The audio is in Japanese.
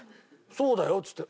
「そうだよ」っつって。